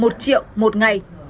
một triệu một ngày